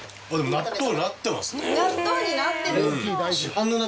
納豆になってる？